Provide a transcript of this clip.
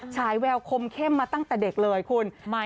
ฉายแววคมเข้มมาตั้งแต่เด็กเลยคุณ